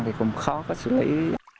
thì cũng khó có xử lý